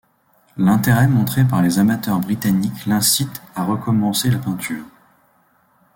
L'intérêt montré par les amateurs britanniques l'incite à recommencer la peinture.